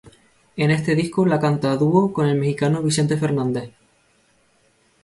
En este disco la canta a dúo con el mexicano Vicente Fernández.